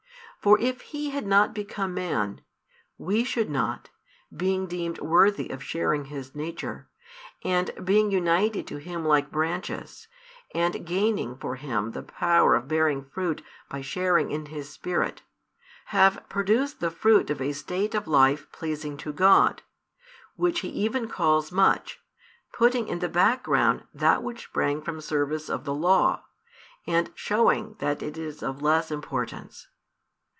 For if He had not become man, we should not, being deemed worthy of sharing His nature, and being united to Him like branches, and gaining for Him the power of bearing fruit by sharing in His Spirit, have produced the fruit of a state of life pleasing to God, which He even calls much, putting in the background that which sprang from service of the Law, and showing that it is of less importance.